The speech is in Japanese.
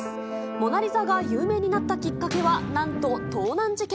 モナリザが有名になったきっかけは、なんと盗難事件。